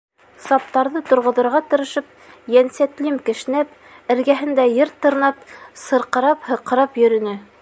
Саптарҙы торғоҙорға тырышып, йәнтәслим кешнәп, эргәһендә ер тырнап сырҡырап-һыҡрап йөрөнө.